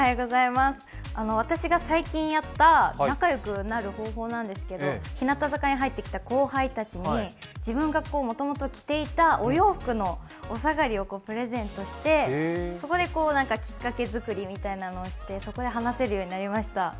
私が最近あった仲良くなる方法なんですけど日向坂に入ってきた後輩たちに自分がもともと着ていたお洋服のお下がりをプレゼントしてそこできっかけ作りみたいなのをしていい先輩だね。